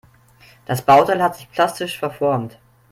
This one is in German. Das Bauteil hat sich plastisch verformt.